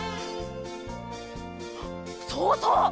そうそう！